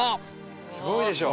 すごいでしょ？